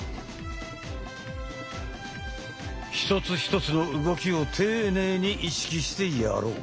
一つ一つの動きを丁寧に意識してやろう！